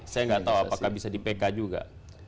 saya nggak tahu apakah bisa di pk juga